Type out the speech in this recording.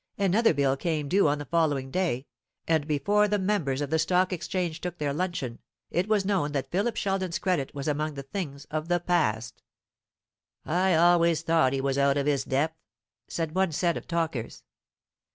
Another bill came due on the following day, and before the members of the Stock Exchange took their luncheon, it was known that Philip Sheldon's credit was among the things of the past. "I always thought he was out of his depth," said one set of talkers.